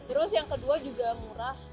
terus yang kedua juga murah